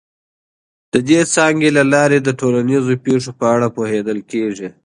د دې څانګې له لاري د ټولنیزو پیښو په اړه پوهیدل کیږي.